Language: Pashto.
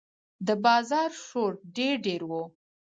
د بازار شور ډېر ډېر و.